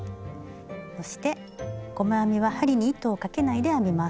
そして細編みは針に糸をかけないで編みます。